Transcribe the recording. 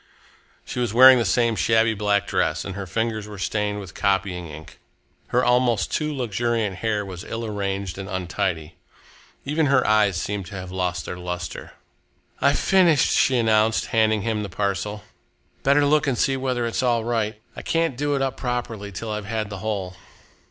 She was wearing the same shabby black dress and her fingers were stained with copying ink. Her almost too luxuriant hair was ill arranged and untidy. Even her eyes seemed to have lost their lustre. "I've finished," she announced, handing him the parcel. "Better look and see whether it's all right. I can't do it up properly till I've had the whole."